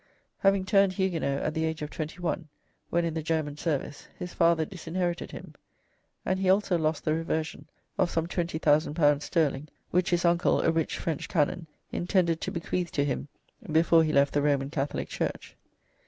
Having turned Huguenot at the age of twenty one, when in the German service, his father disinherited him, and he also lost the reversion of some L20,000 sterling which his uncle, a rich French canon, intended to bequeath to him before he left the Roman Catholic church.